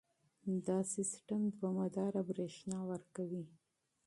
دا سیستم دوامداره برېښنا ورکوي.